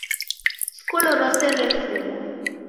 Skulu rose refungwa.